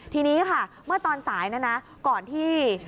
ทีนี้ค่ะเมื่อตอนสายนะนะก่อนที่